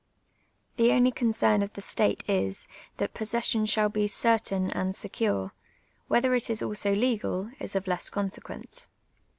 The only concern of the state is, that possession shall be certain and secure ; whether it is also legal, is of less consequence.